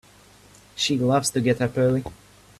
She loves to get up early.